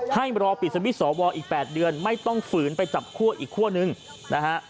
ให้รอปิดสวิตชอวออีก๘เดือนไม่ต้องฝืนไปจับคั่วอีกคั่วนึงนะฮะ